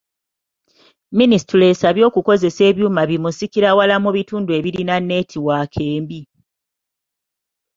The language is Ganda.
Minisitule esabye okukozesa ebyuma bimusikirawala mu bitundu ebirina neetiwaaka embi.